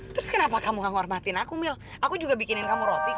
terus kenapa kamu tidak menghormati aku mil aku juga bikin kamu roti kok